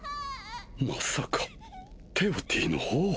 まさかテオティの王を